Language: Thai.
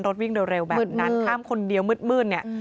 วิ่งเร็วแบบนั้นข้ามคนเดียวมืดเนี่ย